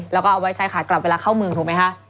แล้วเอาไว้ใส่ขาดกลับเวลาเข้าเมืองถูกมั้ยฮะ